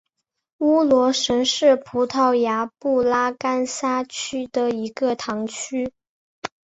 乌罗什是葡萄牙布拉干萨区的一个堂区。